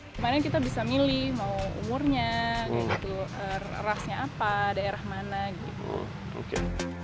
kemarin kita bisa milih mau umurnya rasnya apa daerah mana